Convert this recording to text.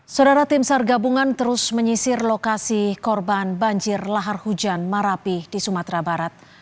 saudara tim sar gabungan terus menyisir lokasi korban banjir lahar hujan marapi di sumatera barat